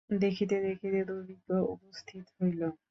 দেখিতে দেখিতে দুর্ভিক্ষ উপস্থিত হইল।